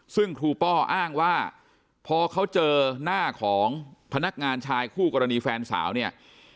ซึ่งครูป้ออ้างว่าพอเขาเจอหน้าของพนักงานชายคู่กรณีแฟนสาวเนี่ย